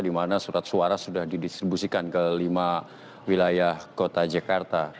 di mana surat suara sudah didistribusikan ke lima wilayah kota jakarta